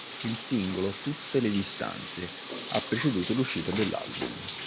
Il singolo "Tutte le distanze" ha preceduto l'uscita dell'album.